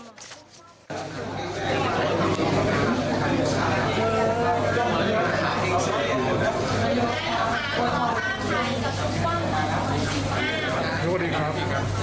สวัสดีครับ